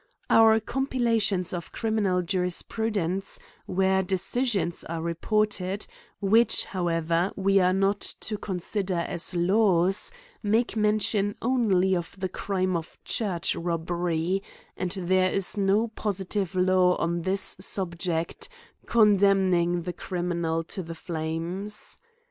Our compilations of criminal jurisprudence, where decisions are reported, which, however we are not to consider as lawsy make mention only of the crime of church robbery : and there is no positive law on this subject condemning the criminal to the flames.